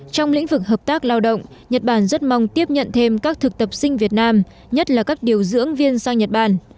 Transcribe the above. trong lĩnh vực hợp tác lao động nhật bản rất mong tiếp nhận thêm các thực tập sinh việt nam nhất là các điều dưỡng viên sang nhật bản